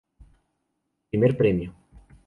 Primer premio.